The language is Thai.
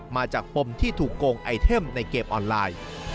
ปมที่ถูกโกงไอเทมในเกมออนไลน์